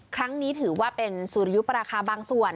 ครั้งนี้ถือว่าเป็นสุริยุปราคาบางส่วน